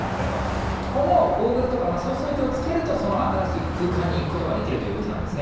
このゴーグルとか装置をつけると、その新しい空間に行くことができるということなんですね。